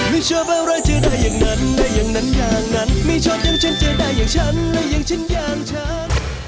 ไม่ชอบอะไรเจอได้อย่างนั้นได้อย่างนั้นอย่างนั้นไม่ชอบอย่างฉันเจอได้อย่างฉันและอย่างฉันอย่างฉัน